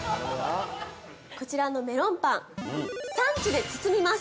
◆こちらのメロンパン、サンチュで包みます。